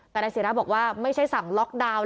แต่นายศิราบอกว่าไม่ใช่สั่งล็อกดาวน์